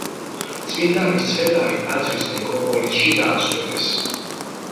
წმინდანის ცხედარი ტაძრის ნეკროპოლისში დაასვენეს.